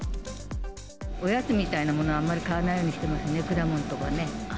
おやつみたいなものはあまり買わないようにしてますね、果物とかね。